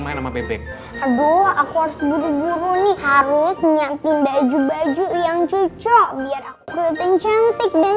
main sama bebek aduh aku harus buru buru nih harus nyamping baju baju yang cocok biar aku cantik dan